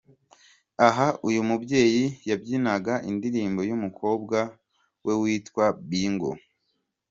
Aha uyu mubyeyi yabyinaga indirimbo y'umukobwa we yitwa Bingo.